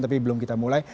tapi belum kita mulai